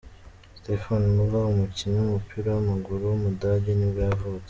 Stefan Müller, umukinnyi w’umupira w’amaguru w’umudage nibwo yavutse.